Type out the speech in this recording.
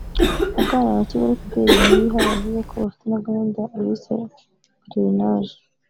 Aganira na Kigali Today Niyihaba yavuze ko bafite na gahunda bise parrainage